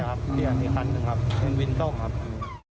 ใช่ครับเปลี่ยนอีกคันนึงครับเปลี่ยนวินต้มครับ